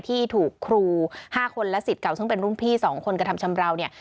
ที่ถูกครู๕คนและสิทธิ์เก่าซึ่งเป็นรุ่นพี่๒คนกระทำชำราวเนี่ย